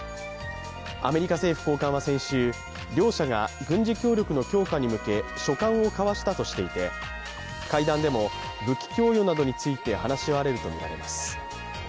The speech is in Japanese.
アメリカ政府高官は先週、両者が軍事協力の強化に向け、書簡を交わしたとしていて会談でも武器供与などについて話し合われるとみられます。